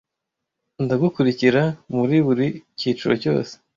ndagukurikira muri buri kiciro cyose